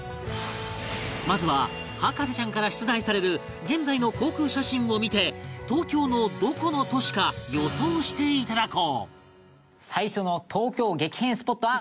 まずは博士ちゃんから出題される現在の航空写真を見て東京のどこの都市か予想していただこう